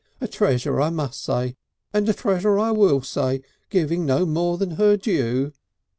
A treasure, I must say, and a treasure I will say, giving no more than her due...."